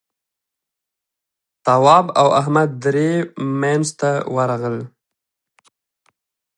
تواب او احمد درې مينځ ته ورغلل.